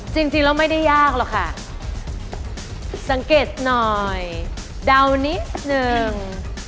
จริงแล้วไม่ได้ยากหรอกค่ะสังเกตหน่อยเดานิดนึง